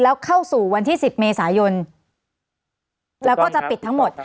แล้วเข้าสู่วันที่๑๐เมษายนแล้วก็จะปิดทั้งหมด